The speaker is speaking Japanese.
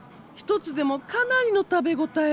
１つでもかなりの食べ応え！